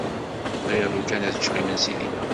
Bɣiɣ lukan ad ččeɣ imensi dinna.